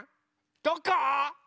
どこ？